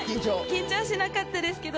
緊張しなかったですけど。